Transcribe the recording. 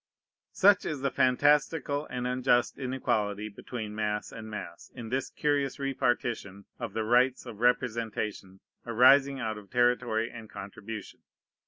Such is the fantastical and unjust inequality between mass and mass, in this curious repartition of the rights of representation arising out of territory and contribution.